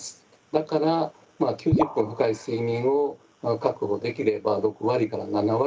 だから９０分深い睡眠を確保できれば６割７割